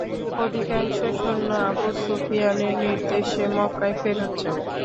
অধিকাংশ সৈন্য আবু সুফিয়ানের নির্দেশে মক্কায় ফেরত যায়।